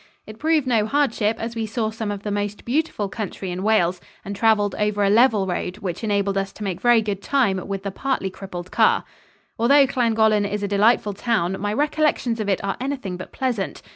It proved no hardship, as we saw some of the most beautiful country in Wales and traveled over a level road which enabled us to make very good time with the partly crippled car. Although Llangollen is a delightful town, my recollections of it are anything but pleasant.